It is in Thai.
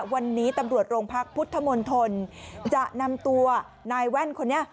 วันนี้ตำรวจโรงพักพุทธมนตรจะนำตัวนายแว่นคนนี้